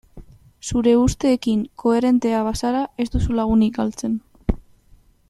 Zure usteekin koherentea bazara ez duzu lagunik galtzen.